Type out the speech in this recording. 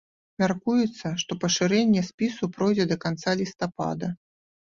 Мяркуецца, што пашырэнне спісу пройдзе да канца лістапада.